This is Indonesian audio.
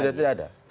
sudah tidak ada